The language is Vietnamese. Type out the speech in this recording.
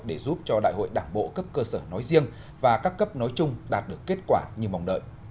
để giúp cho đại hội đảng bộ cấp cơ sở nói riêng và các cấp nói chung đạt được kết quả như mong đợi